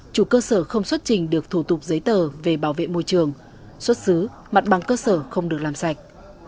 chủ cơ sở không xuất trình được thủ tục giấy tờ về bảo vệ môi trường xuất xứ mặt bằng cơ sở không được làm sạch